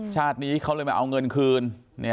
ชาตินี้เขาเลยมาเอาเงินคืน